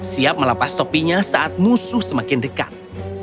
siap melepas topinya saat musuh semakin dekat